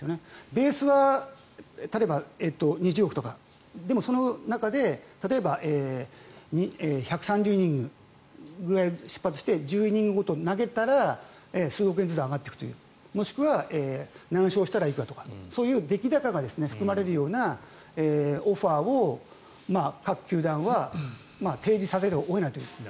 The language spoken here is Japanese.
ベースは例えば２０億とかでも、その中で例えば１３０イニングくらいで出発して１０イニングごとに投げたら数億円ずつ上がっていくというもしくは何勝したらいくらとかそういう出来高が含まれるようなオファーを各球団は提示せざるを得ないと。